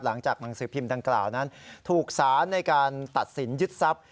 หลังจากหนังสือพิมพ์ดังกล่าวนั้นถูกสารในการตัดสินยึดทรัพย์